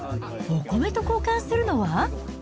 お米と交換するのは？